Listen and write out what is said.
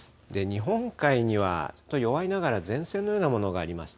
日本海には弱いながら前線のようなものがあります。